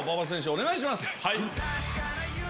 お願いします。